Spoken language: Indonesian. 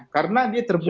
karena dia terbuka